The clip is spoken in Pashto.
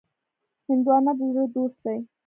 هندوانه د زړه دوست دی.